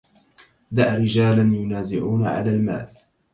دع رجالا ينازعون على المال